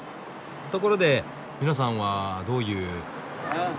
ところで皆さんはどういう？